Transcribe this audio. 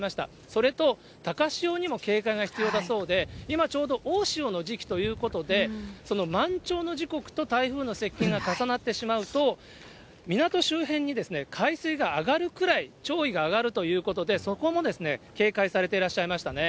それと高潮にも警戒が必要だそうで、今、ちょうど大潮の時期ということで、満潮の時刻と台風の接近が重なってしまうと、港周辺に海水が上がるくらい、潮位が上がるということで、そこも警戒されてらっしゃいましたね。